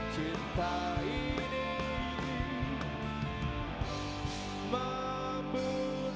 cinta ini memenuhku